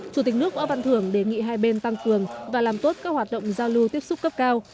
chủ tịch nước võ văn thưởng đề nghị hai bên tăng cường và làm tốt các hoạt động giao lưu tiếp xúc cấp cao